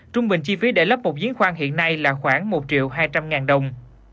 trung bình chi phí để lấp một diến khoan hiện nay là khoảng một hai trăm linh đồng